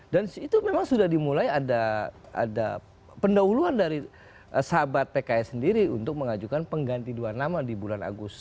dan itu memang sudah dimulai ada pendahuluan dari sahabat pks sendiri untuk mengajukan pengganti dua nama di bulan agus